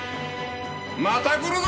また来るぞ！